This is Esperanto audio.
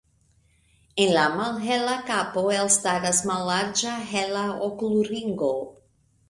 En la malhela kapo elstaras mallarĝa hela okulringo.